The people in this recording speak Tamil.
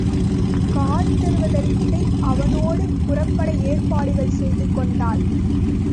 காந்தருவதத்தை அவனோடு புறப்பட ஏற்பாடுகள் செய்து கொண்டாள்.